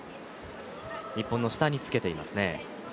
日本の下につけていますね。